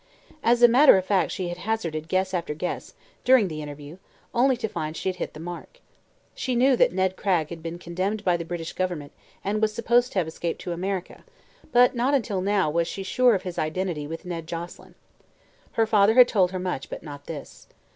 As a matter of fact she had hazarded guess after guess, during the interview, only to find she had hit the mark. She knew that Ned Cragg had been condemned by the British government and was supposed to have escaped to America, but not until now was she sure of his identity with Ned Joselyn. Her father had told her much, but not this.